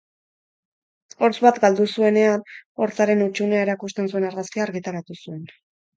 Hortz bat galdu zuenean, hortzaren hutsunea erakusten zuen argazkia argitaratu zuen.